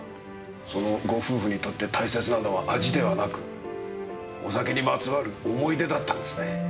そのご夫婦にとって大切なのは味ではなくお酒にまつわる思い出だったんですね。